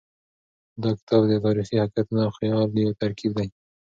دا کتاب د تاریخي حقیقتونو او خیال یو ترکیب دی.